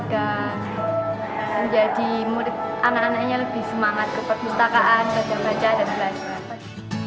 dan menjadi anak anaknya lebih semangat ke perpustakaan belajar baca dan belajar